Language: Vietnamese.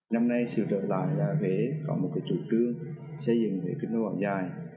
năm nay sự trở lại là huế có một chủ trương xây dựng về kết nối áo dài